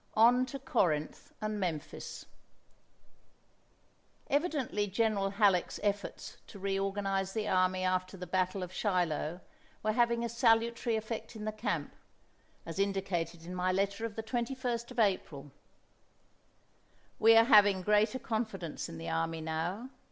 V ON TO CORINTH AND MEMPHIS Evidently General Halleck's efforts to reorganize the army after the battle of Shiloh were having a salutary effect in the camp, as indicated in my letter of the 21st of April: "We are having greater confidence in the army now.